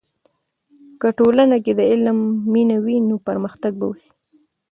که ټولنې کې د علم مینه وي، نو پرمختګ به وسي.